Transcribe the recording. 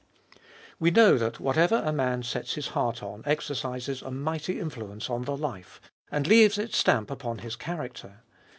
WE know that whatever a man sets his heart on exercises a mighty influence on the life, and leaves its stamp upon his character.